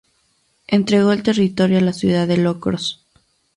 Entregó el territorio a la ciudad de Locros.